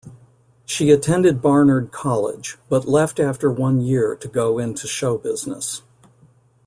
She attended Barnard College, but left after one year to go into show business.